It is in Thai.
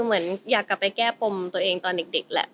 เหมือนอยากกลับไปแก้ปมตัวเองตอนเด็กแหละ